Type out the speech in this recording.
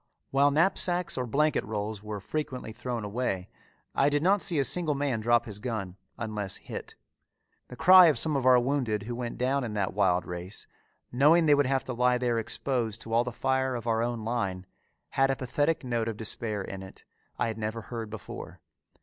While knapsacks or blanket rolls were frequently thrown away, I did not see a single man drop his gun unless hit. The cry of some of our wounded who went down in that wild race, knowing they would have to lie there exposed to all the fire of our own line, had a pathetic note of despair in it, I had never heard before.